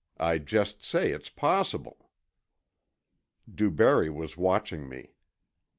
"I just say it's possible." DuBarry was watching me.